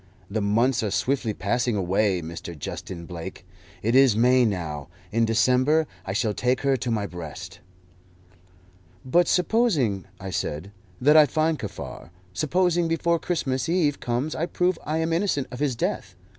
The months are swiftly passing away, Mr. Justin Blake. It is May now; in December I shall take her to my breast." "But supposing," I said, "that I find Kaffar; supposing before Christmas Eve comes I prove I am innocent of his death.